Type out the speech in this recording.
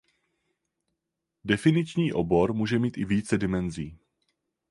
Definiční obor může mít i více dimenzí.